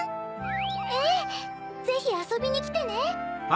ええぜひあそびにきてね！